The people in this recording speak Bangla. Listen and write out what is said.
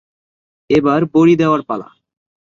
এবার বড়ি দেওয়ার পালা।